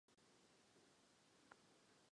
Nachází se na západě Dolního Benešova.